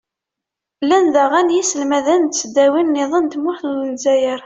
llan daɣen yiselmaden n tesdawin-nniḍen n tmurt n lezzayer.